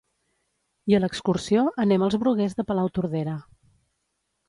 i a l'excursió anem als Bruguers de Palautordera